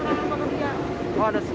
surat keterangan pekerjaan